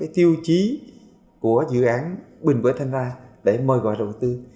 tiêu chí của dự án bình cuối thanh đa để mời gọi đầu tư